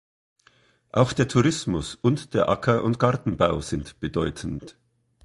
Auch der Tourismus und der Acker- und Gartenbau sind bedeutend.